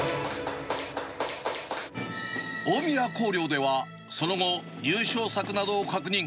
大宮光陵では、その後、入賞作などを確認。